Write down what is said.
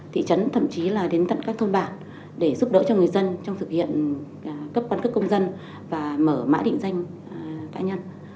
thị trấn thậm chí là đến tận các thôn bản để giúp đỡ cho người dân trong thực hiện cấp căn cước công dân và mở mã định danh cá nhân